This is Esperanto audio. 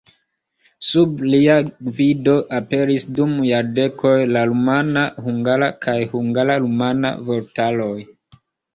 Sub lia gvido aperis dum jardekoj la rumana-hungara kaj hungara-rumana vortaroj.